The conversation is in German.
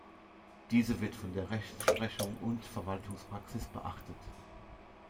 Diese wird von der Rechtsprechung und Verwaltungspraxis beachtet.